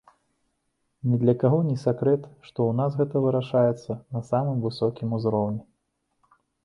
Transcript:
Ні для каго не сакрэт, што ў нас гэта вырашаецца на самым высокім узроўні.